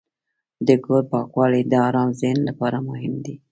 د کور پاکوالی د آرام ذهن لپاره مهم دی.